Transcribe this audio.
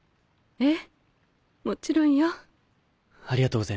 えっ？